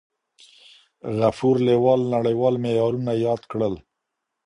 غفور لیوال نړیوال معیارونه یاد کړل.